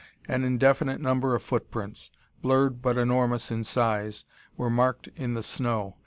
An indefinite number of footprints, blurred but enormous in size, were marked in the snow.